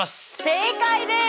正解です！